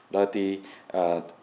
rồi thì áp dụng